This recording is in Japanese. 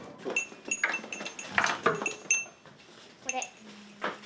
これ。